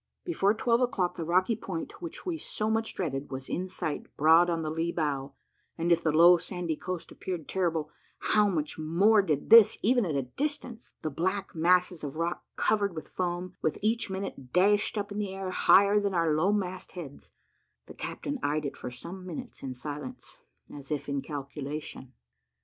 Before twelve o'clock the rocky point which we so much dreaded was in sight broad on the lee bow; and if the low sandy coast appeared terrible, how much more did this, even at a distance! the black masses of rock covered with foam, which each minute dashed up in the air higher than our lower mast heads. The captain eyed it for some minutes in silence, as if in calculation.